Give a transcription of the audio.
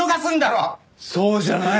そうじゃない。